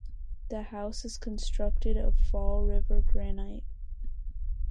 The house is constructed of Fall River Granite.